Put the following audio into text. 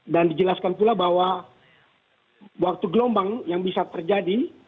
dan dijelaskan pula bahwa waktu gelombang yang bisa terjadi